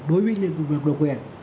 đối với nguyên vực độc quyền